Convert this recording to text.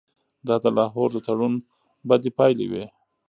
دا د لاهور د تړون بدې پایلې وې.